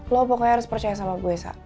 lo pokoknya harus percaya sama gue esa